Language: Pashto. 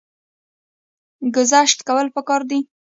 ګذشت کول پکار دي